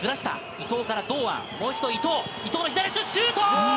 伊藤から堂安、もう一度伊藤、伊藤が左足のシュート！